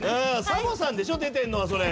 サボさんでしょ出てんのはそれ。